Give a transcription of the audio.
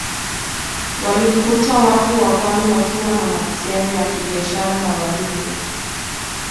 Walikuta Watu wa Pwani wakiwa na mahusiano ya kibiashara na Wadigo